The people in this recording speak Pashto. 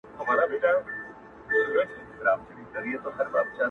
زلفي او باڼه اشــــــنـــــــــــا.